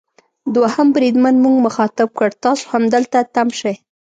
دوهم بریدمن موږ مخاطب کړ: تاسو همدلته تم شئ.